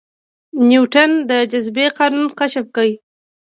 نیوټن د جاذبې قانون کشف کړ